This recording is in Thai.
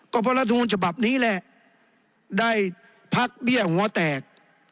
ก็เพราะรัฐมนูลฉบับนี้แหละได้พักเบี้ยหัวแตก